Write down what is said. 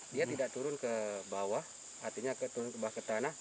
dia tidak turun ke bawah artinya turun ke bawah ke tanah